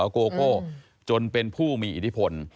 โกโก้จนเป็นผู้มีอิทธิพล